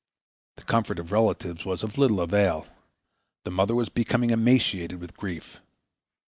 The comfort of relatives was of little avail. The mother was becoming emaciated with grief.